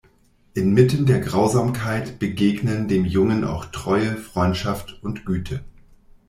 Inmitten der Grausamkeit begegnen dem Jungen auch Treue, Freundschaft und Güte.